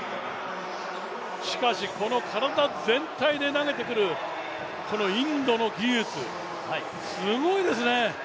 しかし、この体全体で投げてくるこのインドの技術、すごいですね。